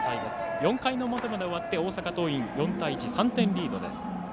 ４回の表まで終わって大阪桐蔭、４対１３点リードです。